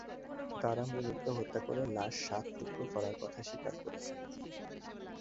তাঁরা মনিরকে হত্যা করে লাশ সাত টুকরা করার কথা স্বীকার করেছেন।